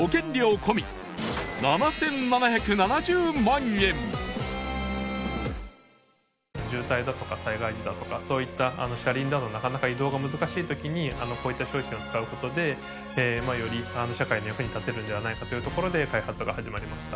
込み渋滞だとか災害時だとかそういった車輪だとなかなか移動が難しい時にこういった商品を使うことでより社会の役に立てるんではないかというところで開発が始まりました